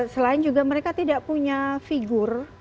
selain juga mereka tidak punya figur